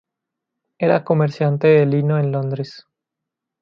Era comerciante de lino en Londres.